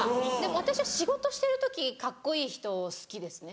私は仕事してる時カッコいい人好きですね